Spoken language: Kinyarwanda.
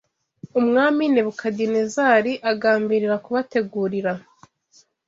umwami Nebukadinezari agambirira kubategurira